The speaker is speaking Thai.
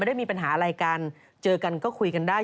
ได้มีปัญหาอะไรกันเจอกันก็คุยกันได้